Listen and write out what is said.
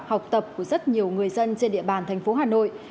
học tập của rất nhiều người dân trên địa bàn thành phố hà nội